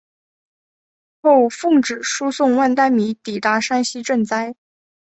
后奉旨输送万石米抵达陕西赈灾。